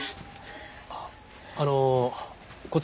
あのこちらは？